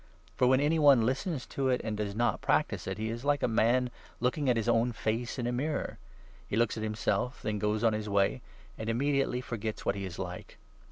For, when any one listens to it and does not 23 practice it, he is like a man looking at his own face in a mirror. He looks at himself, then goes on his way, and immediately 24 forgets what he is like.